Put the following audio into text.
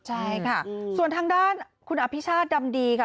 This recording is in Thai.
ใช่ค่ะส่วนทางด้านคุณอภิชาติดำดีค่ะ